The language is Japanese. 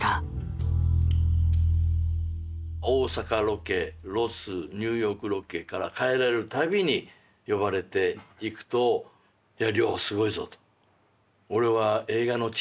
大阪ロケロスニューヨークロケから帰られる度に呼ばれて行くといや凌すごいぞと。